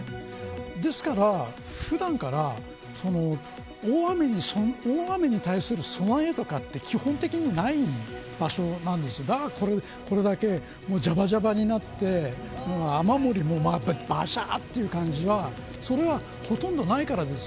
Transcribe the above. ですから、普段から大雨に対する備えとかって基本的にない場所なんですがだから、これだけじゃばじゃばになって雨漏りも、ばしゃーという感じはそれは、ほとんどないからです。